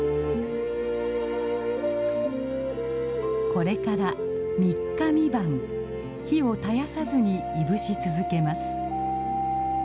これから３日３晩火を絶やさずにいぶし続けます。